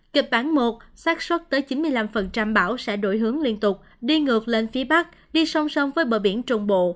kịch bản một sát xuất tới chín mươi năm bão sẽ đổi hướng liên tục đi ngược lên phía bắc đi song song với bờ biển trung bộ